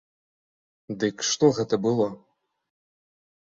Дык што гэта было?